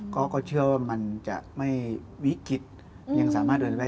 ก็เชื่อว่ามันจะไม่วิกฤตยังสามารถเดินได้